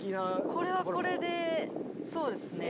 これはこれでそうですね。